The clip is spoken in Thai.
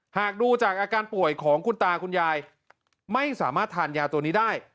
หากดูจากอาการป่วยของคุณตาคุณยายไม่สามารถทานยาตัวนี้ได้